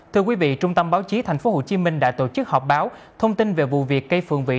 thưa quý vị trung tâm báo chí tp hcm đã tổ chức họp báo thông tin về vụ việc cây phượng vĩ